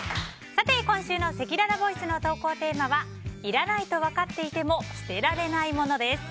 さて、今週のせきららボイスの投稿テーマはいらないと分かっていても捨てられない物です。